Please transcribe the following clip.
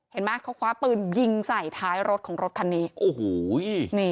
เห็นมั้ยคะเขาคว้าปืนยิงใส่ท้ายรถของรถคันนี้